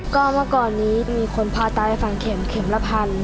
ก็เมื่อก่อนนี้มีคนพาตายไปฝังเข็มเข็มละพัน